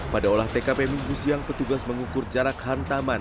pada olah tkp minggu siang petugas mengukur jarak hantaman